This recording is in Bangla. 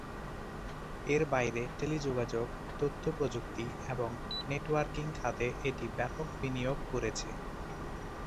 এর বাইরে টেলিযোগাযোগ, তথ্য প্রযুক্তি এবং নেটওয়ার্কিং খাতে এটি ব্যাপক বিনিয়োগ করেছে।